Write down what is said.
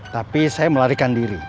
tapi saya melarikan diri